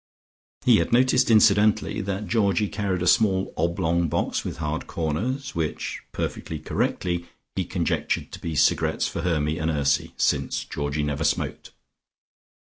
He had noticed incidentally that Georgie carried a small oblong box with hard corners, which, perfectly correctly, he conjectured to be cigarettes for Hermy and Ursy, since Georgie never smoked.